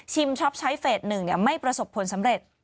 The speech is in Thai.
ช็อปใช้เฟส๑ไม่ประสบผลสำเร็จ